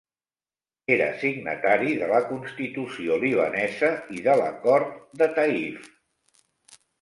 Era signatari de la constitució libanesa i de l'acord de Taif.